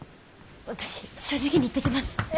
私正直に言ってきます！